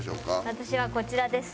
私はこちらです。